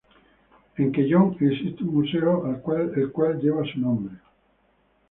En Quellón existe un museo el cual lleva su nombre.